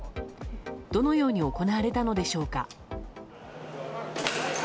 どのように行われたのでしょうか。